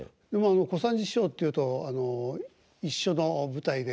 小三治師匠っていうと一緒の舞台で。